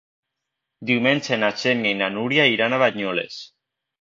Diumenge na Xènia i na Núria iran a Banyoles.